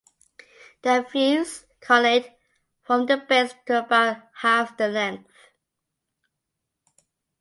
They are fused (connate) from their base to about half their length.